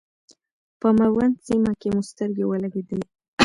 په میوند سیمه کې مو سترګې ولګېدلې.